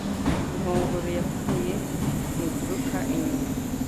Inkongoro yapfuye ntiguruka inyuma.